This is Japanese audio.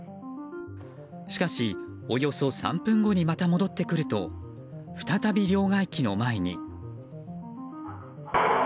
しかし、およそ３分後にまた戻ってくると再び両替機の前に。